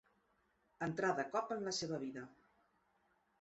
Entrà de cop en la seva vida.